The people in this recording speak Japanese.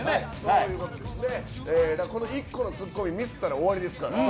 １個のツッコミをミスったら終わりですから。